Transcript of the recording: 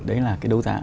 đấy là cái đấu giá